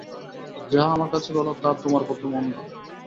যাহা আমার কাছে ভাল, তাহা তোমার পক্ষে মন্দ।